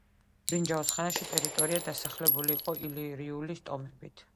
ბრინჯაოს ხანაში ტერიტორია დასახლებული იყო ილირიული ტომებით.